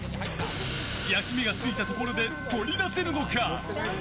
焼き目が付いたところで取り出せるのか？